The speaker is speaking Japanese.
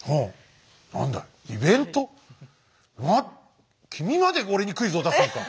あっ君まで俺にクイズを出すのか！